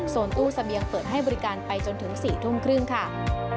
ตู้เสบียงเปิดให้บริการไปจนถึง๔ทุ่มครึ่งค่ะ